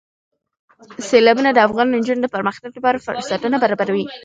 سیلابونه د افغان نجونو د پرمختګ لپاره فرصتونه برابروي.